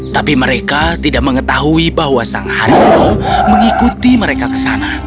tapi mereka tidak mengetahui bahwa sang harimau mengikuti mereka ke sana